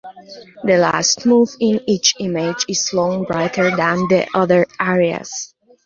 The last move in each image is shown brighter than the other areas.